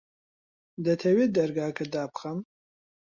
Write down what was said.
دەتەوێت دەرگاکە دابخەم؟